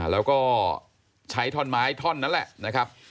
แล้วก็ใช้ท่อนไม้ท่อนนั้นแหละนะครับ